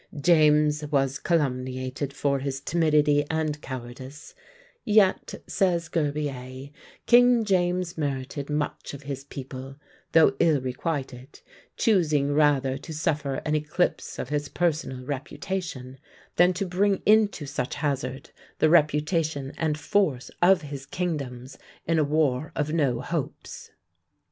James was calumniated for his timidity and cowardice; yet, says Gerbier, King James merited much of his people, though ill requited, choosing rather to suffer an eclipse of his personal reputation, than to bring into such hazard the reputation and force of his kingdoms in a war of no hopes.